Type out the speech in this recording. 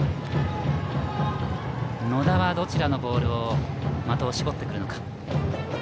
野田はどちらのボールに的を絞るか。